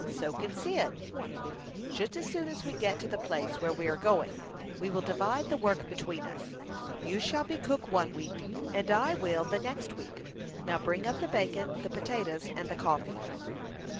"So kin Cyd." "Just as soon as we get to the place where we are going, we will divide the work between us. You shall be cook one week, and I will the next week. Now bring up the bacon, the potatoes, and the coffee."